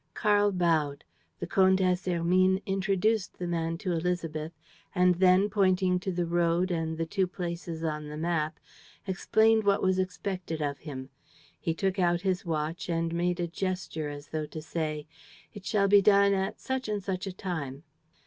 Karl bowed. The Comtesse Hermine introduced the man to Élisabeth and then, pointing to the road and the two places on the map, explained what was expected of him. He took out his watch and made a gesture as though to say: "It shall be done at such and such a time."